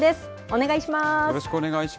お願いします。